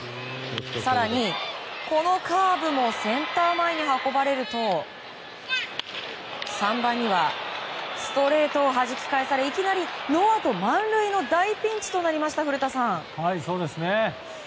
更にこのカーブもセンター前に運ばれると３番にはストレートをはじき返されいきなりノーアウト満塁の大ピンチとなりました古田さん。